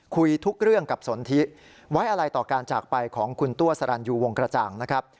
คุยทุกเรื่องกับสนทิไว้อะไรต่อการจากไปของคุณตัวสรรยูวงกระจ่างนะครับ